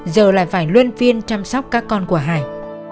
giờ lại phải luân phiên chăm sóc các con của hải